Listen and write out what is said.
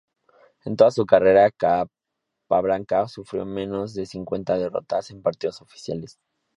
En toda su carrera Capablanca sufrió menos de cincuenta derrotas en partidas oficiales.